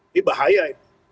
ini bahaya itu